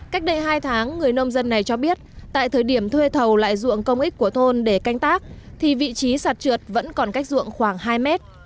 cách đây hai tháng người nông dân này cho biết tại thời điểm thuê thầu lại dụng công ích của thôn để canh tác thì vị trí sạt trượt vẫn còn cách ruộng khoảng hai mét